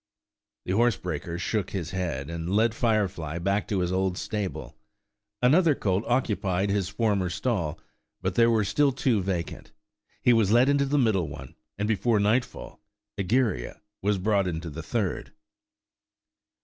The horsebreaker shook his head, and led Firefly back to his old stable. Another colt occupied his former stall, but there were still two vacant. He was led into the middle one, and before nightfall Egeria was brought into the third.